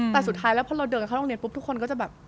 แต่สุดท้ายแล้วพอเราเดินเข้าโรงเรียนปุ๊บทุกคนก็จะแบบ